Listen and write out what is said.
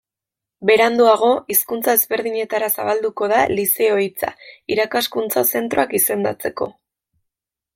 Beranduago hizkuntza ezberdinetara zabalduko da Lizeo hitza, irakaskuntza zentroak izendatzeko.